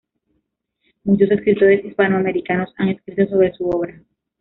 Muchos escritores hispanoamericanos han escrito sobre su obra.